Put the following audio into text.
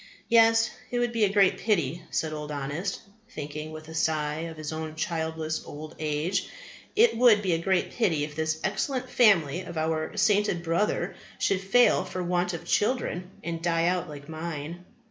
Yes, it would be a great pity, said Old Honest, thinking with a sigh of his own childless old age, it would be a great pity if this excellent family of our sainted brother should fail for want of children, and die out like mine.